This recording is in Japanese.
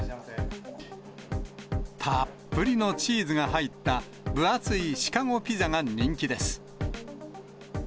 たっぷりのチーズが入った、分厚いシカゴピザが人気です。